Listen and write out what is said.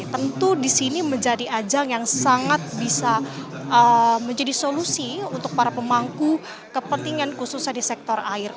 tentu di sini menjadi ajang yang sangat bisa menjadi solusi untuk para pemangku kepentingan khususnya di sektor air